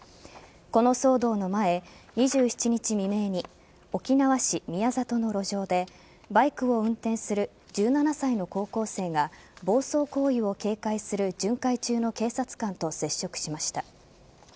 この騒動の前、２７日未明に沖縄市宮里の路上でバイクを運転する１７歳の高校生が暴走行為を警戒する巡回中の警察官と接触しました。